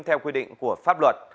theo quy định của pháp luật